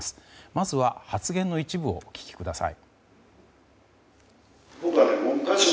まずは、発言の一部をお聞きください。